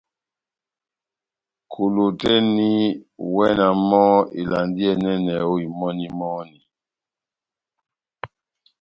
Kolo tɛ́h eni, iwɛ na mɔ́ ivalandi iyɛ́nɛ ó imɔni-imɔni.